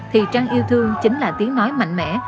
thì trăng yêu thương chính là tiếng nói mạnh mẽ